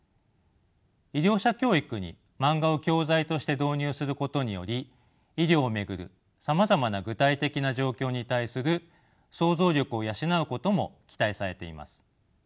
医療者教育にマンガを教材として導入することにより医療を巡るさまざまな具体的な状況に対する想像力を養うことも期待されています。